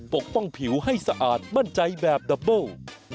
ปกป้องผิวให้สะอาดมั่นใจแบบดับเบิ้ล